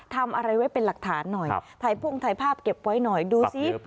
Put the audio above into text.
ทำอะไรไว้เป็นหลักฐานหน่อยถ่ายพุ่งถ่ายภาพเก็บไว้หน่อยดูสิ